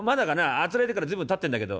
あつらえてから随分たってんだけど。